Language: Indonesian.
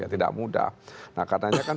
tidak mudah nah katanya kan